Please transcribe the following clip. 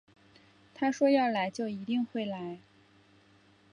他说要来就一定会来